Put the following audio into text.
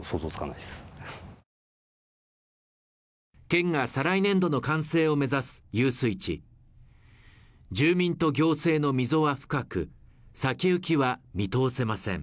県が再来年度の完成を目指す遊水地住民と行政の溝は深く先行きは見通せません